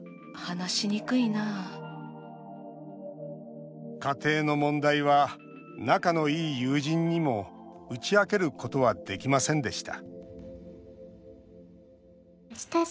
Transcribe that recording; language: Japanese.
しかし家庭の問題は仲のいい友人にも打ち明けることはできませんでした